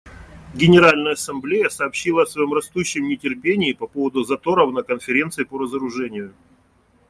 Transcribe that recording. Генеральная Ассамблея сообщила о своем растущем нетерпении по поводу заторов на Конференции по разоружению.